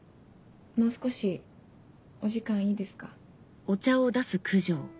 もう少しお時間いいですか？